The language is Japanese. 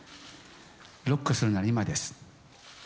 ロックするなら今です。